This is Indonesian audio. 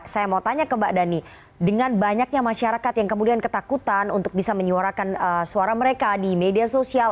saya mau tanya ke mbak dhani dengan banyaknya masyarakat yang kemudian ketakutan untuk bisa menyuarakan suara mereka di media sosial